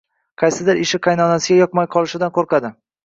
Qaysidir ishi qaynonasiga yoqmay qolishidan qoʻrqadi